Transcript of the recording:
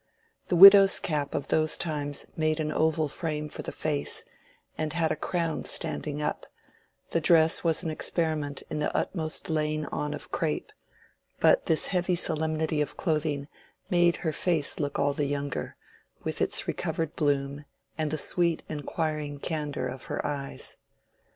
The widow's cap of those times made an oval frame for the face, and had a crown standing up; the dress was an experiment in the utmost laying on of crape; but this heavy solemnity of clothing made her face look all the younger, with its recovered bloom, and the sweet, inquiring candor of her eyes.